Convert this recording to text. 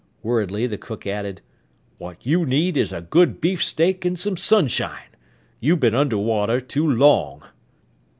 Worriedly the cook added, "What you need is a good beefsteak and some sunshine. You been under water too long."